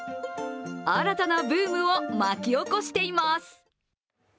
新たなブームを巻き起こしています。